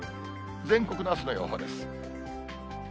全国のあすの予報です。